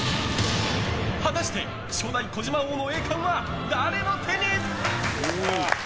果たして初代児嶋王の栄冠は誰の手に！